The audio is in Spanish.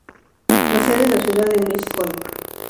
La sede de la ciudad de Miskolc.